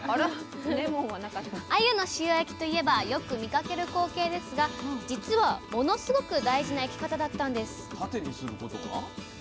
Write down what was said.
あゆの塩焼きといえばよく見かける光景ですが実はものすごく大事な焼き方だったんです！